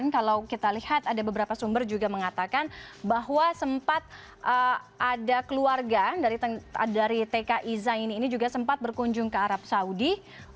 kalau kita lihat ada beberapa sumber juga mengatakan bahwa sempat ada keluarga dari tki zaini ini juga sempat berkunjung ke arab saudi